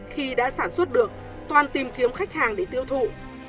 khi đã sản xuất được toàn tìm kiếm khách hàng để tiêu thụ